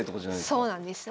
そうなんです。